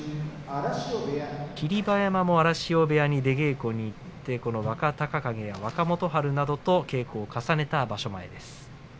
霧馬山も荒汐部屋に出稽古に行って若隆景や若元春と稽古を重ねた場所前です。